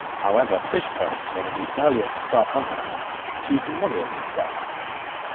However, Fishbone, one of the earliest ska punk bands, achieved moderate success.